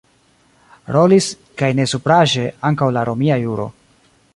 Rolis, kaj ne supraĵe, ankaŭ la romia juro.